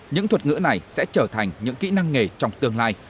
những thuật ngữ này sẽ trở thành những kỹ năng nghề trong tương lai